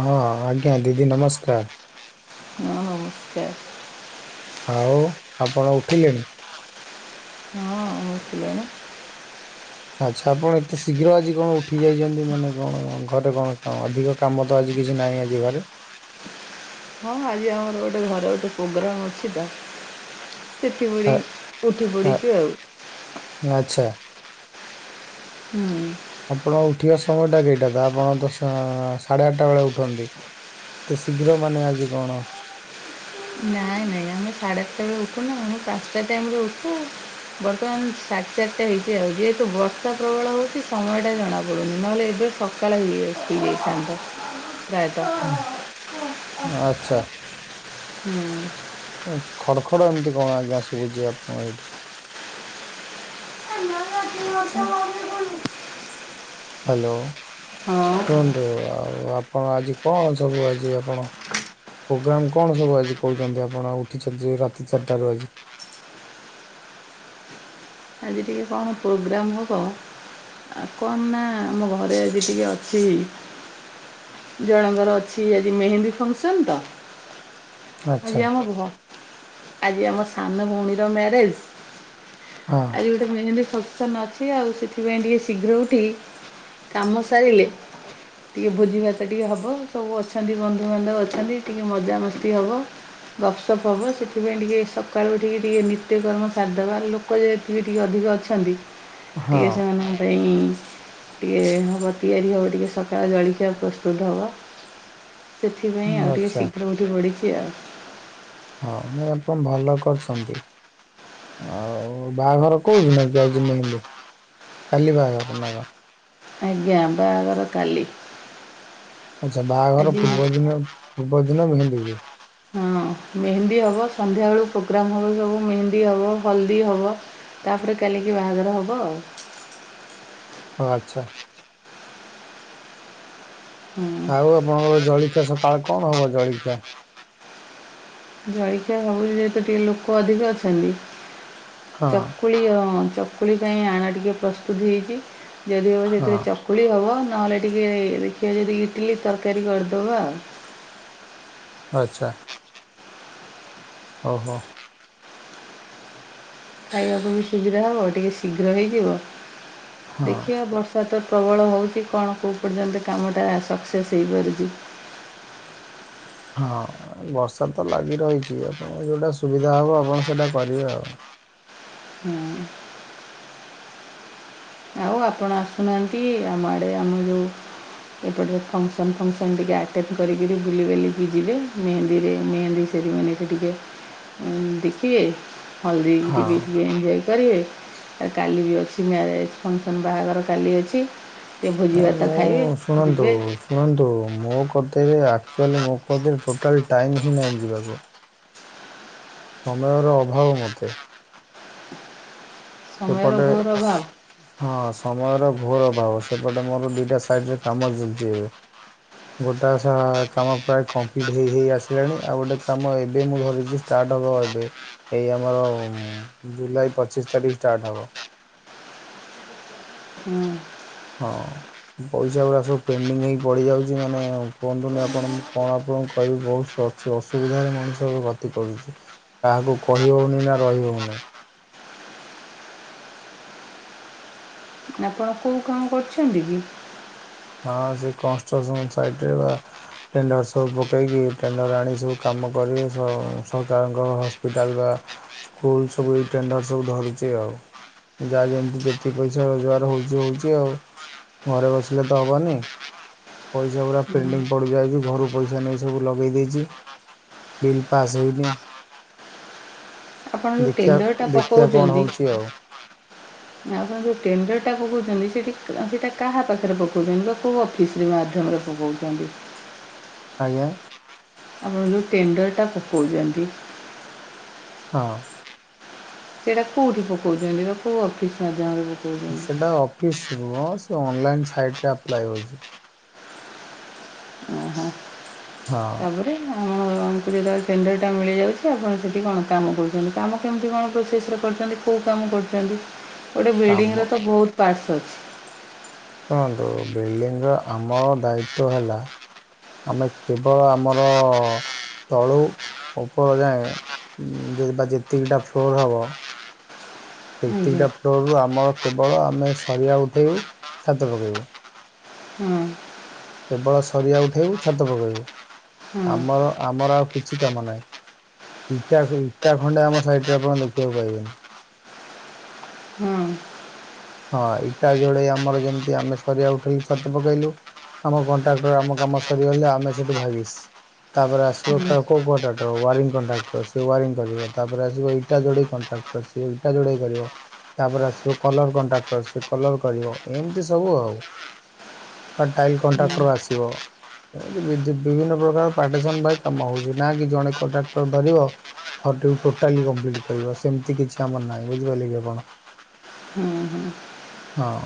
ହଁ ଆଜ୍ଞା ଦିଦି ନମସ୍କାର। ହଁ ନମସ୍କାର। ଆଉ ଆପଣ ଉଠିଲେଣି। ହଁ ଉଥିଲିଣି। ଆଚ୍ଛା ଆପଣ ଏତେ ଶୀଘ୍ର ଆଜି କଣ ଉଠି ଯାଇଛନ୍ତି ମାନେ କଣ ଘରେ କଣ ଅଧିକ କାମ ତ ଆଜି କିଛି ନାହିଁ ଆଜି ଘରେ। ହଁ ଆଜି ଆମର ଗୋଟେ ଘରେ ଗୋଟେ ପୋଗ୍ରାମ ଅଛି ତ। ସେଥିପାଇଁ ଆ- ଉଠି ଆ- ପଡ଼ିଚି ଆଉ। ଆଚ୍ଛା। ହୁଁ। ଆପଣ ଉଠିବା ସମୟଟା କେଇଟା ତ ଆପଣ ତ ସା ସାଢ଼େ ଆଠଟା ବେଳେ ଉଠନ୍ତି। ଏତେ ଶୀଘ୍ର ମାନେ ଆଜି କଣ। ନାଇଁ ନାଇଁ ଆ ମୁଁ ସାଢେ ଆଠଟା ବେଳେ ଉଠୁନୁ ଆମେ ପାଞ୍ଚଟା ଟାଇମ ରେ ଉଠେ। ବର୍ତ୍ତମାନ ସାଢେ ଚାରିଟା ହେଇଛି ଆଉ ଯେହେତୁ ବର୍ଷା ପ୍ରବଳ ହଉଛି ସମୟ ଟା ଜଣା ପଡୁନି ନହେଲେ ଏବେ ସକାଳ ହେଇଯାଇଥାନ୍ତା ପ୍ରାୟତ। ହଁ ଆଚ୍ଛା। ହୁଁ। ଉଁ ଖଡ଼ ଖଡ଼ ଏମିତି କଣ ଆଜ୍ଞା ଶୁଭୁଛି ଆପଣଙ୍କ ଏଇଠି। [unintelligible] [inaudible] ହାଲୋ। ହଁ। କୁହନ୍ତୁ ଆଉ ଆପଣ ଆଜି କଣ ସବୁ ଆଜି ଆପଣ ପୋଗ୍ରାମ କଣ ସବୁ ଆଜି କହୁଛନ୍ତି ଆପଣ ଉଠିଛନ୍ତି ରାତି ଚାରିଟାରୁ ଆଜି। ଆଜି ଟିକେ କଣ ପୋଗ୍ରାମ୍ ହବ। ଆଉ କଣ ନା ଆମ ଘରେ ଆଜି ଟିକେ ଅଛି। ଜଣଙ୍କର ଅଛି ଆଜି ମେହେନ୍ଦୀ ଫଙ୍କସନ ତ। ଆଚ୍ଛା ଆଜି ଆମ ଘ ଆଜି ଆମ ସାନ ଭଉଣୀର ମ୍ୟାରେଜ। ହଁ। ଆଜି ଗୋଟେ ମେହେନ୍ଦି ଫଙ୍କସନ୍ ଅଛି ଆଉ ସେଥିପାଇଁ ଟିକଏ ଶୀଘ୍ର ଉଠି କାମ ସାରିଲେ। ଟିକେ ଭୋଜି ଭାତ ଟିକେ ହବ ସବୁ ଅଛନ୍ତି ବନ୍ଧୁବାନ୍ଧବ ଅଛନ୍ତି ଟିକେ ମଜାମସ୍ତି ହବ। ଗପସପ୍ ହବା ସେଥିପାଇଁ ଟିକେ ସକାଳୁ ଉଠିକି ଟିକେ ନିତ୍ୟକର୍ମ ସାରଦବା ଲୋକ ଯେହେତ [inaudible] ଅଧିକ ଅଛନ୍ତି ହଁ ଟିକଏ ସେମାନଙ୍କ ପାଇଁ ଟିକିଏ ହବ ତିଆରି ହବ ଟିକେ ସକାଳ ଜଳଖିଆ ପ୍ରସ୍ତୁତ ହବ। ସେଥିପାଇଁ ଆଉ ଟିକେ ଆଚ୍ଛା ଶୀଘ୍ର ଉଠି ପଢିଛି ଆଉ। ହଁ ନାଇଁ ଆପଣ ଭଲ କରିଛନ୍ତି। ଆଉ ବାହାଘର କୋଉଦିନ କି ଆଜି ମେହେନ୍ଦି କାଲି ବାହାଘର ନା କଣ। ଆଜ୍ଞା ବାହାଘର କାଲି। ଆଚ୍ଛା ବାହାଘର ଆଜି ପୂର୍ବ ଦିନ ପୂର୍ବ ଦିନ ମେହେନ୍ଦୀ ହୁଏ। ହଁ ମେହେନ୍ଦୀ ହବ ସନ୍ଧ୍ୟାବେଳୁ ପୋଗ୍ରାମ୍ ହବ ସବୁ ମେହେନ୍ଦୀ ହବ ହଳଦୀ ହବ। ତାପରେ କାଲିକି ବାହାଘର ହବ ଆଉ। ହଉ ଆଚ୍ଛା। ହୁଁ। ଆଉ ଆପଣଙ୍କର ଜଳଖିଆ ସକାଳ କଣ ହବ ଜଳଖିଆ। ଜଳଖିଆ ହଉଛି ଯେହେତୁ ଟିକେ ଲୋକ ଅଧିକ ଅଛନ୍ତି ଚ ହଁ ଚକୁଳି ହଁ ଚକୁଳି ପାଇଁ ଆଣା ଟିକେ ପ୍ରସ୍ତୁତି ହେଇଛି ଯଦି ହବ ସେଥିରେ ହଁ ଚ ଚକୁଳି ହବ ନହେଲେ ଟିକେ ଦେଖିବା ଯଦି ଇଟିଲି ତରକାରୀ କରିଦବା ଆଉ। ଆଚ୍ଛା। ଓ ହୋ। ଖାଇବାକୁ ବି ସୁବିଧା ହବ ଟିକେ ଶୀଘ୍ର ହେଇଯିବ ହଁ। ଦେଖିବା ବର୍ଷା ବର୍ଷା ତ ପ୍ରବଳ ହଉଛି କଣ କୋଉ ପର୍ଯ୍ୟନ୍ତ କାମଟା ସକ୍ସେସ୍ ହେଇପାରୁଛି। ହଁ ବର୍ଷା ତ ଲାଗି ରହିଛି ଆପଣ ଯେଉଁଟା ସୁବିଧା ହେବ ଆପଣ ସେଇଟା କରିବେ ଆଉ। [inaudible] ଆଉ ଆପଣ ଆସୁନାହାନ୍ତି ଆମ ଆଡ଼େ ଆମ ଯେଉ ଏପଟେ ରେ ଫଙ୍କସନ ଫଙ୍କସନ୍ ଟିକେ ଆଟେଣ୍ଟ କରିକିରି ବୁଲି ବଲିକି ଯିବେ ମେହେନ୍ଦୀରେ ମେହେନ୍ଦୀ ସେରି ମନିକ ଟିକେ ଦେଖିେବେ। ହଳଦୀ ହଁ। ଟିକି ଟିକେ ଏଞ୍ଜୟ କରିବେ ଆ କାଲି ବି ଅଛି ମ୍ୟାରେଜ୍। ଫଙ୍କସନ୍ ବାହାଘର କାଲି ଅଛି ଟିକେ ଭୋଜି ଭାତ ଖାଇବେ ଯିବେ। ଶୁଅନ୍ତୁ ମୋ କତିରେ ଆକ୍ଚୁଆଲି ମୋ କତିରେ ଟୋଟାଲ ଟାଇମ୍ ହିଁ ନାହିଁ ଯିବାକୁ। ସମୟର ଅଭାବ ମୋତେ। ସମୟର ଏପଟେ ଘୋର ଅଭାବ ହଁ ସମୟର ଘୋର୍ ଅଭାବ ସେପଟେ ମୋର ଦିଇଟା ସାଇଡ଼ରେ କାମ ଚାଲିଚି ଏବେ। ଗୋଟା ଶାହା କାମ ପ୍ରାୟ କମ୍ପ୍ଲିଟ୍ ହେଇ ହେଇ ଆସିଲାଣି ଆଉ ଗୋଟେ କାମ ଏବେ ମୁଁ ଧରିଛି। ଷ୍ଟାର୍ଟ ହବ ଏବେ ଏଇ ଆମର ଜୁଲାଇ ପଚିଶ ତାରିଖ ଷ୍ଟାର୍ଟ ହବ। ହୁଁ। ହଁ। ପଇସା ଗୁଡ଼ା ସବୁ ପେଣ୍ଡିଙ୍ଗ ହେଇକି ପଡ଼ିଯାଉଚି ମାନେ କୁହନ୍ତୁନି ଆପଣ ମୁଁ କଣ ଆପଣଙ୍କୁ କହିବି ବହୁତ୍ ଅଛି। ଅସୁବିଧାରେ ମଣିଷ ବି ଗତି କରୁଚି। କାହାକୁ କହିହେଉନି ନା ରହିହଉନାହିଁ। ନା ଆପଣ କୋଉ କାମ କରୁଛନ୍ତି କି? ହଁ ସେ କନଷ୍ଟ୍ରସନ୍ ସାଇଟ୍ ରେ ପା ଟେଣ୍ଡର ସବୁ ପକେଇକି ଟେଣ୍ଡର ଆଣି ସବୁ କାମ କରିକି ସରକାରଙ୍କ ହସ୍ପିଟାଲ ବା ସ୍କୁଲ୍ ସବୁ ଏ ଟେଣ୍ଡର ସବୁ ଧରୁଚି ଆଉ। ଯାହା ଯେମିତି ଯେତିକି ପଇସା ରୋଜଗାର ହଉଚି ହଉଚି ଆଉ। ଘରେ ବସି ଲେ ତ ହେବନି। ପଇସା ପୁରା ପେଣ୍ଡିଙ୍ଗ ପଡି ଯାଇଚି, ଘରୁ ପଇସା ନେଇ ସବୁ ଲଗେଇ ଦେଇଚି। ବିିଲ୍ ପସ୍ ହୋଇନି? ଆପଣ ଯେଉଁ ଦେଖିଆ ଟେଣ୍ଡରଟା ଦେଖିଆ କଣ ପକାଉଛନ୍ତି ହଉଚି ଆଉ। ଆପଣ ଯେଉଁ ଟେଣ୍ଡରଟା ପକଉଛନ୍ତି ସେଇଠି ସେଇଟା କାହା ପାଖରେ ପକଉଛନ୍ତି [unintelligible] କଉ [unintelligible] ମାଧ୍ୟମରେ ପକଉଛନ୍ତି। ଆଜ୍ଞା। ଆପଣ ଯଉ ଟେଣ୍ଡରଟା ପକାଉଚନ୍ତି ହଁ। ସେଇଟା କଉଠି ପଉଛନ୍ତି ବା କଉ ଅଫିସ ମାଧ୍ୟମରେ ପକଉଛନ୍ତି? ସେଇଟା ଅଫିସ୍ ନୁହଁ ହ ସେ ଅନଲାଇନ୍ ସାଇଟ୍ ରେ ଆପ୍ଲାଏ ହେଉଚି। ଓହୋ ହଁ [inaudible] ତାପରେ ଆପଣଙ୍କୁ ଯେତେବେଳେ ଟେଣ୍ଡରଟା ମିଳିଯାଉଚି ଆପଣ ସେଇଠି କଣ କାମ କରୁଛନ୍ତି। କାମ କେମିତି କଣ ପ୍ରୋସେସ୍ ରେ କରୁଛନ୍ତି କୋଉ କାମ କରୁଚନ୍ତି? [inaudible] ଗୋଟେ ବିଲ୍ଡିଂ କାମ ର [inaudible] ତ ବହୁତ ପାର୍ଟସ୍ ଅଛି! ଶୁଣନ୍ତୁ ବିଲ୍ଡିଂର ଆମ ଦାୟିତ୍ଵ ହେଲା ଆମେ କେବଳ ଆମର ତଳୁ ଉପର ଯାଏ ବା ଯେତିକିଟା ଫ୍ଲୋର ହବ ଆଜ୍ଞା ସେତିକିଟା ଫ୍ଲୋରରୁ ଆମର କେବଳ ଆମେ ସରିିବା ଉଠେଇବୁ ଛାତ ପକେଇବୁ। ହୁଁ [inaudible] କେବଳ ସରିଆ ଉଠାଇବୁ ଛାତ ପକାଇବୁ ହଁ ହଁ ଆମର ଆମର ଆଉ କିଛି କାମ ନାହିଁ। ଇଟା ଖୋଇ ଇଟା ଖଣ୍ଡେ ଆମ ସାଇଟ୍ ରେ ଆପଣ ଦେଖିବାକୁ ପାଇବେନି। [inaudible] ହୁଁ ହଁ ଇଟା ଯୋଡେଇ ଆମର ଯେମିତି ଆମେ ସିରିଆ ଉଠେଇିଲୁ ଛାତ ପକେଇଲୁ। ଆମ କଣ୍ଟ୍ରାକ୍ଟର ଆମ କାମ ସରିଗଲେ ଆମେ ସେଇଠୁ ଭାଗିସ୍। ତା ପରେ ଆସିବ କା କୋଉ କଣ୍ଟ୍ରାକ୍ଟର ୱାରିଂ କଣ୍ଟ୍ରାକ୍ଟର ସେ ୱାରିଂ କରିବ, ତାପରେ ଆସିବ ଇଟା ଯୋଡେଇ କଣ୍ଟ୍ରାକ୍ଟ ତ ସିଏ ଇଟା ଯୋଡେଇ କରିବ। ତାପରେ ଆସିବ କଲର୍ କଣ୍ଟ- କ୍ଟର ସେ କଲର କରିବ। ଏମତି ସବୁ ଆଉ। ବା ଟାଇଲ୍ ହଁ କଣ୍ଟ୍ରାକ୍ଟର ଆସିବ। ବିଧି-ବିଭିନ୍ନ ପ୍ରକାର ପାର୍ଟିସନ୍ ଭାଇ କାମ ହଉଛି ନା କି ଜଣେ କଣ୍ଟ୍ରାକ୍ଟର ଧରିବ। ଘରଟି କୁ ଟୋଟାଲ୍ଲି କମ୍ପ୍ଲିଟ୍ କରିବ ସେମିତି କିଛି ଆମର ନାହିଁ ବୁଝିପାରିଲେ କି ଆପଣ? ହୁଁ ହୁଁ। ହଁ।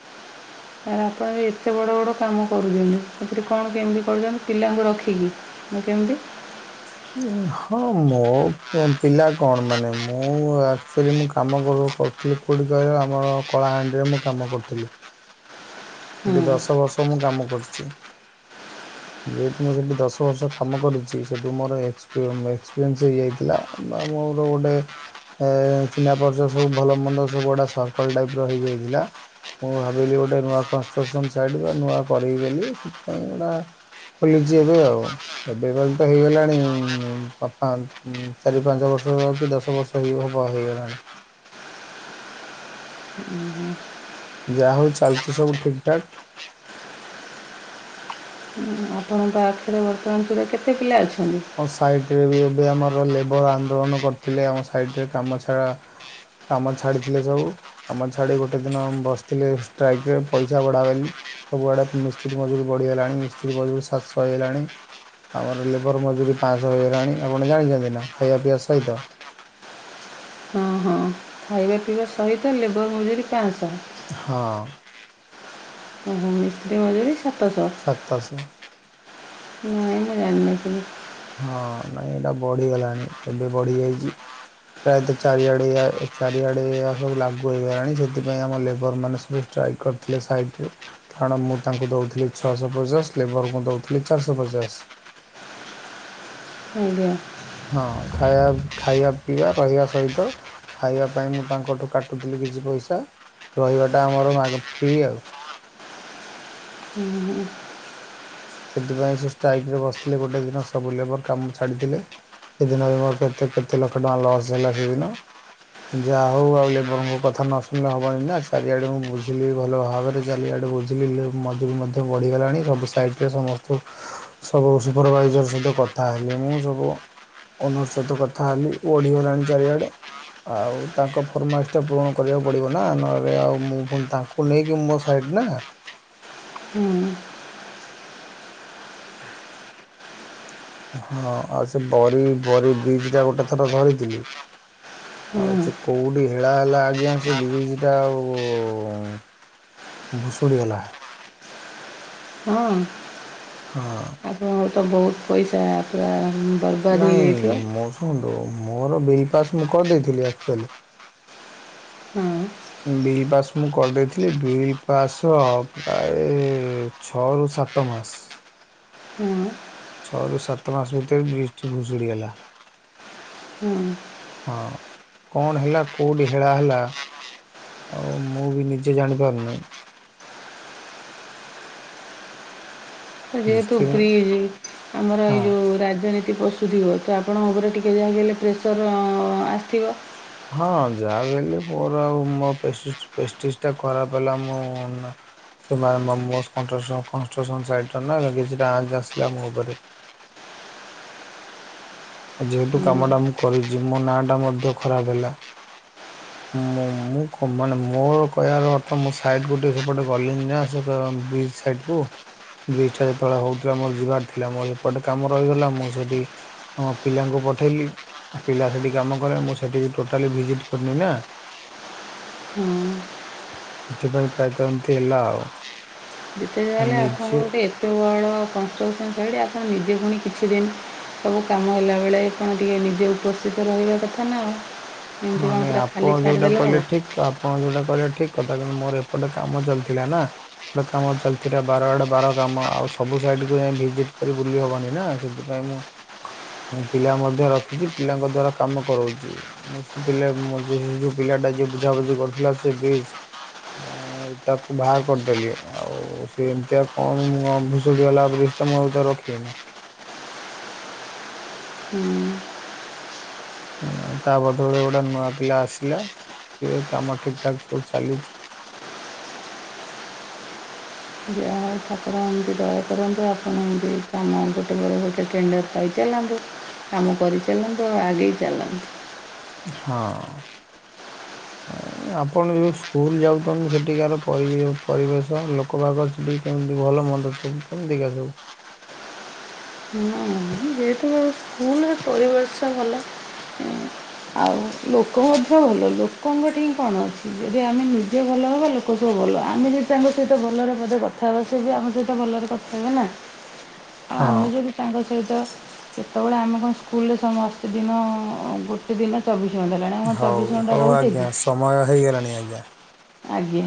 [unintelligible] ଏ ଏତେ ବଡ଼ ବଡ଼ କାମ କରୁଛନ୍ତି ସେଥିରେ କଣ କେମିତି କରୁଛନ୍ତି ପିଲାଙ୍କୁ ରଖିକି କେମିତି? ହଁ ମୋ ପିଲା କଣ ମାନେ ମୁଁ ଆକ୍ଚୁଆଲି ମୁଁ କାମ କର [unintelligible] କହିଲ ଆମର କଳାହାଣ୍ଡିରେ ମୁଁ କାମ କରୁଥିଲି। ହଁ ସେଠି ଦଶ ବର୍ଷ ମୁଁ କାମ କରୁଚି। ଯେହେତୁ ମୁଁ ସେଠି ଦଶ ବର୍ଷ କାମ କରିଛି ସେଠୁ ମୋର ଏକ୍ସ-ଏକ୍ସପିରିଏନ୍ସ ହେଇଯାଇଥିଲା। ବା ମୋର ଗୋଟେ ଏ ଚିହ୍ନା ପରିରୟ ସବୁ ଭଲ ମନ୍ଦ ସବୁ ଗୁଡ଼ା ସରର୍କଲ ଟାଇପର ହେଇଯାଇଥିଲା। ମୁଁ ଭାବିଲି ଗୋଟେ ନୂଆ କନଷ୍ଟ୍ରସନ୍ ସାଇଟ୍ ବା ନୂଆ କରିବି ବୋଲି ସେଥିପାଇଁ ଏଗୁଡା ଖୋଲିଚି ଏବେ ଆଉ ଏବେ କାଲି ତ ହେଇଗଲାଣି ଉଁ ପାପା ଉଁ ଉଁ ଚାରି ପାଞ୍ଚ ବର୍ଷ କି ଦଶ ବର୍ଷ ହେଇ ହବ ହେଇଗଲାଣି। ଉୁଁ ହୁଁ। ଯାହା ହଉ ଚାଲିଛି ସବୁ ଠିକ୍ ଠାକ୍। ଆପଣଙ୍କ ଆଖରେ ବର୍ତ୍ତମାନ ସୁଟା କେତେ ପିଲା ଅଛନ୍ତି? ସାଇଟ ରେ ବି ଏବେ ଆମର ଲେବର ଆନ୍ଦୋଳନ କରିଥିଲେ ଆମ ସାଇଟରେ କାମ ଛଡ଼ା କାମ ଛାଡ଼ିଥିଲେ ସବୁ। କାମ ଛାଡ଼ି ଗୋଟେ ଦିନ ବସିଥିଲେ ଷ୍ଟ୍ରାଇକ୍ରରେ ପଇସା ବଢ଼ା ବଲି। ସବୁଆଡେ ମିସ୍ତ୍ରୀ ମଜୁରୀ ବଢିଗଲାଣି ମିସ୍ତ୍ରୀ ମଜୁରୀ ଶାତଶ ହେଇଗଲାଣି ଆମର ଲେବର ମ ଜୁରରି ପାଞ୍ଚଶହ ହୋଇଗଲାଣି ଆପଣ ଜାଣିଛନ୍ତି ନା ଖାଇବା ପିଇବା ସହିତ। ହଁ ହଁ। ଖାଇବା ପିଇବା ସହିତ ଲେବର ମଜୁରୀ ପାଁଶ। ହଁ। ଓ ହଁ ମିସ୍ତ୍ରୀ ମଜୁରୀ ସାତଶହ। ସାତ ଶହ। ନାଇ ମୁ ଜାଣିନି ଏ ସବୁ। ହଁ ନାଇଁ ଏଇଟା ବଢିଗଲାଣି ଏବେ ବଢି ଯାଇଛି। ପ୍ରାୟତଃ ଚାରିଆଡେ ଚାରିଆଡେ ସବୁ ଲାଗୁ ହେଇଗଲାଣି ସେଥିପାଇଁ ଆମ ଲେବର ମାନେ ସବୁ ଟ୍ରଏ କରିଥିଲେ ସାଇଟ ରେ। କାରଣ ମୁଁ ତାଙ୍କୁ ଦଉଥିଲି ଛଅଶହପଚାଶ୍ ଲେବରଙ୍କୁ ଦଉଥିଲି ଚାରିଶହ ପଚାଶ୍। ଆଜ୍ଞା। ହଁ ଖାଇବା -ଖାଇବା ଖାଇବା ପିଇବା ରହିବା ସହିତ ଖାଇବା ପାଇଁ ମୁଁ ତାଙ୍କଠୁ କାଟୁଥିଲି କିଛି ପଇସା ରହିବାଟା ଆମର ମାଗ୍ -ଫ୍ରି ଆଉ। ହୁଁ ହ। ସେଥିପାଇଁ ସେ ଷ୍ଟ୍ରାଇକ ରେ ବସିଥିଲେ ଗୋଟେ ଦିନ ସବୁ ଲେବର କାମ ଛାଡ଼ିଥିଲେ। ସେଦିନ ବି ମୋର କେତେ କେତେ ଲକ୍ଷ ଟଙ୍କା ଲସ୍ ହେଲା ସେଦିନ। ଯାହା ହଉ ଆଉ ଲେବରଙ୍କ କଥା ନ ଶୁଣିଲେ ହବନି ନା ଚାରିଆଡେ ମୁଁ ବୁଝିଲି ଭଲ ଭାବରେ। ଚାରିଆଡେ ବୁଝିଲି ମଜୁରୀ ମଧ୍ୟ ବଢିଗଲାଣି ସବୁ ସାଇଡ ରେ ସମସ୍ତଙ୍କ ସବୁ ସୁପରଭାଇଜର ସହିତ କଥା ହେଲେ ମୁଁ ସବୁ ଓନର ସହିତ କଥା ହେଲି ଓଢ଼ିଗଲାଣି ଚାରିଆଡ଼େ। ଆଉ ତାଙ୍କ ଫର୍ମାଇସ ପୂରଣ କରିବାକୁ ପଡ଼ିବ ନା ନହେଲେ ଆଉ ମୁଁ ପୁଣି ତାଙ୍କୁ କୁ ନେଇକି ମୋ ସାଇଡ଼ ନା। ହୁଁ। ହଁ ଆଉ ସେ ବରି ବରି ବ୍ରିଜ ଟା ଗୋଟେ ଥର ଧରିଥିଲି ଆଉ ହୁଁ ସେ କଉଠି ହେଳା ହେଲା ଆଜ୍ଞା ସେ ବ୍ରଜ୍ ଟା ଆଉ ଭୁଷୁଡ଼ିଗଲା। ହଁ। ହଁ। ହଁ ତ ବହୁତ ପଇସା ପୁରା ବର୍ବାଦ ନାଇଁ ହେଇଯାଇଥିବ। ମୁଁ ଶୁଣନ୍ତୁ ମୋର ବିଲ୍ ପାସ୍ ମୁଁ କରିଦେଇଥିଲି ଆକ୍ଚୁଆଲି। ହଁ। ବିଲ୍ ପାସ୍ ମୁଁ କରିଦେଇଥିଲି ବିଲ୍ ପାସ୍ ପ୍ରାଏ ଛଅରୁ ସାତମାସ୍ ହୁଁ। ଛଅ ରୁ ସାତ ମାସ ଭିତରେ ବ୍ରଜ୍ଟି ଭୁଷୁଡ଼ିଗଲା। ହୁଁ। ହଁ କଣ ହେଲା କେଉଁଠି ହେଳା ହେଲା। ଆଉ ମୁଁ ବି ନିଜେ ଜାଣିପାରୁନି। ତ ଯେହେତୁ ନିଶ୍ଚୟ ବ୍ରିଜ୍ ଆମର ଏଇ ହଁ ଯୋଉ ରାଜନୀତି ତି ପଶୁଥିବ ତ ଆପଣଙ୍କ ଉପରେ ଟିକେ ଯାହାକି ହେଲେ ପ୍ରେସର ଅ- ଆସିବ। ହଁ ଯାହା ବୋଲି ମୋର ଆଉ ମୋ ପ୍ରେଷ୍ଟିଜ୍ ଖରାପ ହେଲା ମୋ ମନ ସେମାନେ ମୋ କନଷ୍ଟ୍ରକ୍ସନ୍ ସାଇଟ୍ର ନା କିଛିଟା ଆଞ୍ଚ୍ ଆସିଲା ମୋ ଉପରେ ଯେହେତୁ କାମ ଟା ମୁଁ କରିଛି ମୋ ନା ଟା ମଧ୍ୟ ଖରାପ ହେଲା। ଉ ମୁଁ ମାନେ ମୋର କହିବାର ଅର୍ଥ ମୋ ସାଇଟ୍ ଗୋଟେ ସେପଟେ ଗଲି ନା ସେ ବ୍ରିଜ୍ ସାଇଟ୍ କୁ ବ୍ରିଚ୍ ଟା ଯେତେବେଳେ ହଉଥିଲା ମୋର ଯିବାର ଥିଲା ମୋର ଏପଟେ କାମ ରହିଗଲା ମୁଁ ସେଠି ହଁ ପିଲାଙ୍କୁ ପଠେଇଲି ପିଲା ସେଇଠି କାମ କଲେ ମୁଁ ସେଇଠି ଟୋଟାଲି ଭିଜିଟ୍ କରିନି ନା। ସେଥିପାଇଁ ପ୍ରାୟତ ଏମିତି ହେଲା ଆଉ। ଯେତେ ଆ ହେଲେ ଆପଣଙ୍କ ନିଜେ ଗୋଟେ ଏତେ ବଡ଼ କନଷ୍ଟ୍ରକ୍ସନ୍ ଶାଇଡ଼ୀ ଆପଣ ନିଦେ ପୁଣି କିଛି ଦିନ୍ ସବୁ କାମ ହେଲାବେଳେ ଆପଣ ଟିକେ ନିଜେ ଉପସ୍ଥିତ ରହିବା କଥା ନା ଆଉ। ହଁ ଏମିତି କ'ଣ ନାଇଁ ପୁରା ଖାଲି ଆପଣ ଯୋଉଟା ଛାଡ଼ିଦେଲେ ହେବ କହିଲେ ଠିକ୍ ଆପଣ ଯୋଉଟା କହିଲେ ଠିକ୍ କଥା କିନ୍ତୁ ମୋର ଏପଟେ କାମ ଚାଲିଥିଲା ନା। ଗୋଟେ କାମ ଚାଲିଥିଲା ବାର ଆଡ଼େ ବାର କାମ ଆଉ ସବୁ ସାଇଡ଼୍ କୁ ଯାଇ ଭିଜିଟ୍ କରି ବୁଲି ହେବନି ନା ସେଥିପାଇଁ ମୁଁ। ମୁଁ ପିଲା ମଧ୍ୟ ରଖିଛି ପିଲାଙ୍କ ଦ୍ଵାରା କାମ କରାଉଛି ମୁଁ ପିଲା ଯୋଉ ପିଲା ଟା ଯିଏ ବୁଝାବୁଝି କରିୁଥିଲା ସେ ବ୍ରିଜ୍ ମୁଁ ତାକୁ ବାହାର କରିଦେଲି ଆଉ ସେ ଏମିତିଆ କଣ ଭୁଷୁଡ଼ିଗଲା ବ୍ରିଚ୍ ଟା ମୁଁ ଆଉ ତା ରଖିବି ନା। ହୁଁ [inaudible] ତା ବଦଳରେ ଗୋଟେ ନୂଆ ପିଲା ଆସିଲା ସିଏ କାମ ଠିକ୍ ଠାକ୍ ସବୁ ଚାଲିଛି। ଯାହା। ଠାକୁର ଏମିତି ଦୟା କରନ୍ତୁ ଆପଣ ଏମିତି କାମ ଗୋଟେ ପରେ ଗୋଟେ ଟେଣ୍ଡର ପାଇଚାଲନ୍ତୁ। କାମ କରିଚାଲନ୍ତୁ ଆଉ ଆଗେଇ ଚାଲନ୍ତୁ। ହଁ। ଆପଣ ଯୋଉ ସ୍କୁଲ୍ ଯାଉଛନ୍ତି ସେଠିକାର ପରି-ପରିବେଶ ଲୋକ ଲୋକ [unintelligible] କେମିତି ଭଲ ମନ୍ଦ ସବୁ କେମିତିକା ସବୁ? [inaudible] ଯେହେତୁ ମୋ ସ୍କୁଲ ରେ ପରିବେଶ ଭଲ। ଆଉ ଲୋକ ମଧ୍ୟ ଭଲ ଲୋକଙ୍କ ଠି କଣ ଅଛି ଯଦି ଆମେ ନିଜେ ଭଲ ହବା ଲୋକ ସବୁ ଭଲ ଆମେ ଯଦି ତାଙ୍କ ସହିତ ଭଲରେ କଥା ହେବ ସେ ବି ଆମ ସହିତ ଭଲରେ କଥା ହେବେ ନା ହ ଆଉ ଆମେ ଯଦି ତାଙ୍କ ସହିତ ଯେତେବେଳେ ଆମେ କଣ ସ୍କୁଲରେ ସମସ୍ତ ଦିନ ଗୋଟେ ଦିନ ଚବିଶ ଘଣ୍ଟା ହେଲାଣି ଆଉ କଁ ହଉ ଚବିଶ ଘଣ୍ଟା ହଉ ରହୁଛି ଆଜ୍ଞା କି? ସମୟ ହେଇଗଲାଣି ଆଜ୍ଞା। ଆଜ୍ଞା।